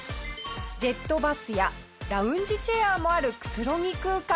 ジェットバスやラウンジチェアもあるくつろぎ空間。